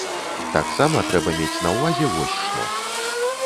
Таксама трэба мець на ўвазе вось што.